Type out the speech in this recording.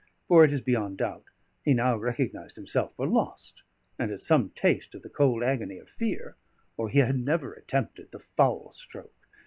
For it is beyond doubt he now recognised himself for lost, and had some taste of the cold agony of fear; or he had never attempted the foul stroke.